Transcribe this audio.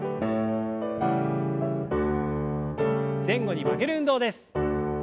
前後に曲げる運動です。